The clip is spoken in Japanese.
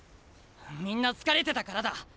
みんな疲れてたからだ。